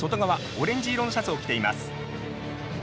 オレンジ色のシャツを着ています。